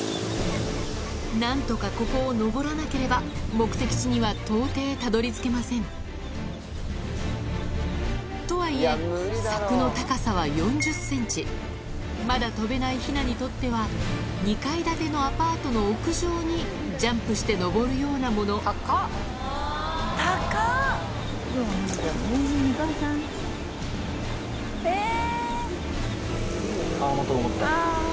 何とかここを上らなければ目的地には到底たどり着けませんとはいえ柵の高さは４０ｃｍまだ飛べないヒナにとっては２階建てのアパートの屋上にジャンプして上るようなもの高っ！